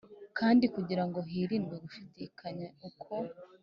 Kandi kugira ngo hirindwe gushidikanya uko